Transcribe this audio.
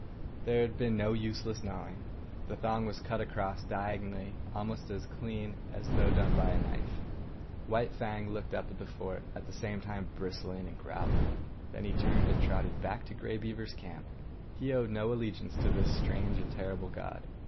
There had been no useless gnawing. The thong was cut across, diagonally, almost as clean as though done by a knife. White Fang looked up at the fort, at the same time bristling and growling. Then he turned and trotted back to Grey Beaver's camp. He owed no allegiance to this strange and terrible god.